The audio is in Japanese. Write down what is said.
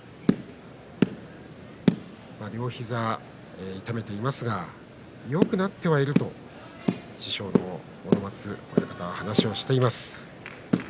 両膝、痛めていますがよくなってはいると師匠の阿武松親方が話しています。